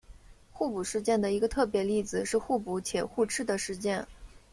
互补事件的一个特别例子是互补且互斥的事件。